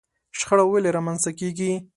شخړه ولې رامنځته کېږي؟